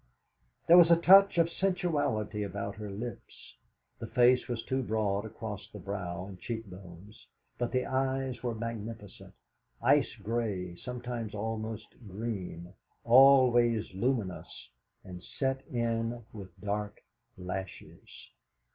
There was a touch of sensuality about her lips. The face was too broad across the brow and cheekbones, but the eyes were magnificent ice grey, sometimes almost green, always luminous, and set in with dark lashes.